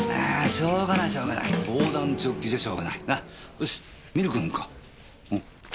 よしミルク飲むか？